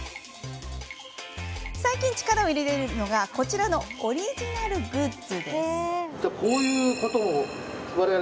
最近、力を入れているのがこちらのオリジナルグッズ。